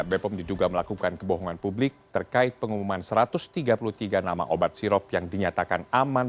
bepom diduga melakukan kebohongan publik terkait pengumuman satu ratus tiga puluh tiga nama obat sirop yang dinyatakan aman